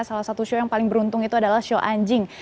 salah satu show yang paling beruntung itu adalah show anjing